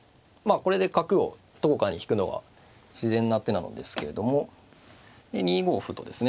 これで角をどこかに引くのは自然な手なのですけれどもで２五歩とですね